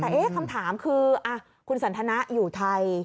แต่คำถามคือคุณสันทนะอยู่ไทย